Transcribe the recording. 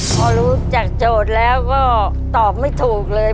พอรู้จากโจทย์แล้วก็ตอบไม่ถูกเลย